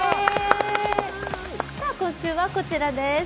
今週はこちらです。